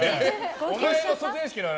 お前の卒園式の話